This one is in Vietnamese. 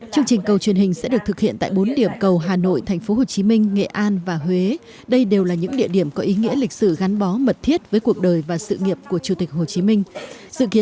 chương trình cầu truyền hình sẽ được thực hiện tại bốn điểm cầu hà nội tp hcm nghệ an và huế đây đều là những địa điểm có ý nghĩa lịch sử gắn bó mật thiết với cuộc đời và sự nghiệp của chủ tịch hồ chí minh